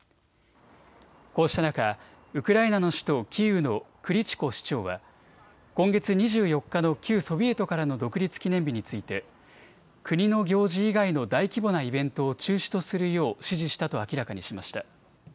こうした中、ウクライナの首都キーウのクリチコ市長は今月２４日の旧ソビエトからの独立記念日について国の行事以外の大規模なイベントを中止とするよう指示したと明らかにしました。